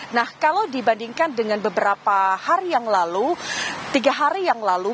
nah kalau dibandingkan dengan beberapa hari yang lalu tiga hari yang lalu